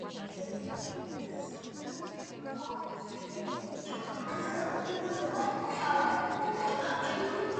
ბოლოში მითითებულია აღნიშნული სახელწოდების ბოლო შერჩევის თარიღი.